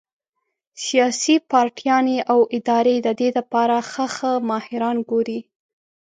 سياسي پارټيانې او ادارې د دې د پاره ښۀ ښۀ ماهران ګوري